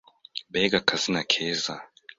Mbega akazina keza!